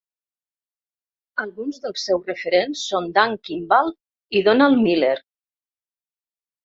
Alguns dels seus referents són Dan Kimball i Donald Miller.